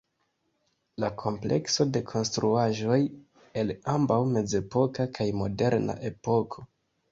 La komplekso de konstruaĵoj el ambaŭ mezepoka kaj moderna epoko.